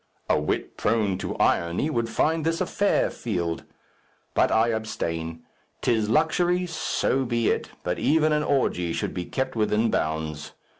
A wit prone to irony would find this a fair field. But I abstain. 'Tis luxury; so be it, but even an orgy should be kept within bounds.